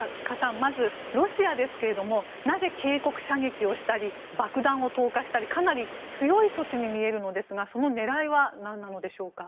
まずロシアですがなぜ警告射撃をしたり爆弾を投下したりとかなり強い措置に見えるのですがその狙いは何なのでしょうか。